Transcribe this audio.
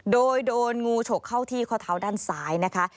โดยโดนงูฉกเข้าที่ข้อเท้าด้านซ้ายนะคะ